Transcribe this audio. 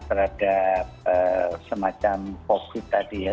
terhadap semacam covid sembilan belas tadi ya